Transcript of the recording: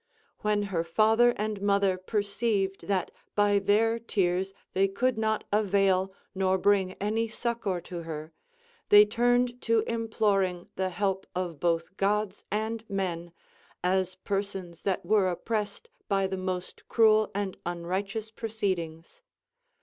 When her father and mother perceived that by their tears they could not avail or bring any succor to her, they turned to imploring the help of both Gods and men, as persons that were oppressed by the most cruel and unrighteous proceedings.